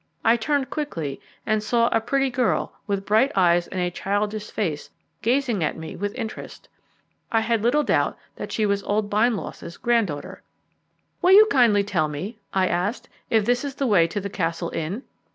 I turned quickly and saw a pretty girl, with bright eyes and a childish face, gazing at me with interest. I had little doubt that she was old Bindloss's grand daughter. "Will you kindly tell me," I asked, "if this is the way to the Castle Inn?"